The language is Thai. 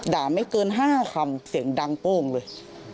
ไม่เกิน๕คำเสียงดังโป้งเลย